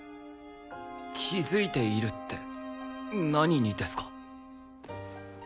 気づいているって何にですか？